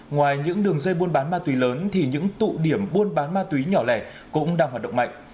ngoài những đường dây buôn bán ma túy lớn thì những tụ điểm buôn bán ma túy nhỏ lẻ cũng đang hoạt động mạnh